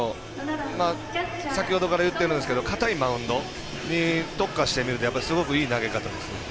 先ほどから言ってるんですけど硬いマウンドに特化してるのですごくいい投げ方ですね。